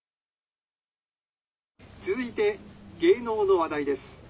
「続いて芸能の話題です。